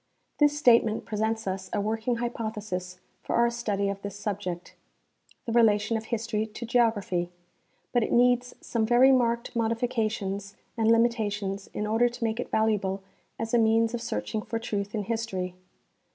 This state ment presents us a Avorldng hj^pothesis for our study of this subject — the relation of history to geography, — but it needs some very marked modifications and limitations in order to make it valuable as a means of searching for truth in history.